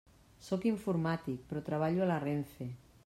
Sóc informàtic, però treballo a la RENFE.